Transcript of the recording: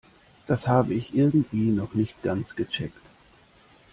Das habe ich irgendwie noch nicht ganz gecheckt.